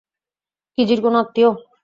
কিজির কোন আত্মীয়?